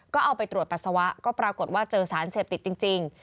ก็เอาไปตรวจปัสสาวะก็ปรากฏว่าเจอสารเสพติดจริง